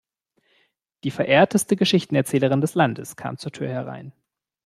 Die verehrteste Geschichtenerzählerin des Landes kam zur Tür herein.